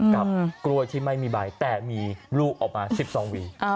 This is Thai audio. กับกล้วยที่ไม่มีใบแต่มีลูกออกมา๑๒วี